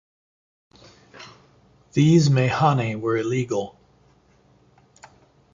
These meyhane were illegal.